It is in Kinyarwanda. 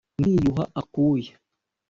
Ndiyuha akuya